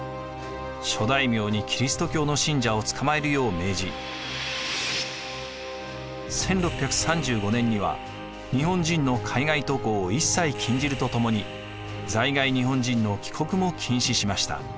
諸大名にキリスト教の信者を捕まえるよう命じ１６３５年には日本人の海外渡航を一切禁じるとともに在外日本人の帰国も禁止しました。